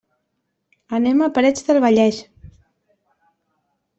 Anem a Parets del Vallès.